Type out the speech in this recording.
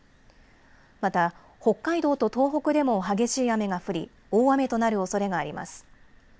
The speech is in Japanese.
また北海道と東北でも激しい雨が降り大雨となるおそれがあります。